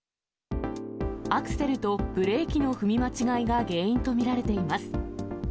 アクセルとブレーキの踏み間違いが原因と見られています。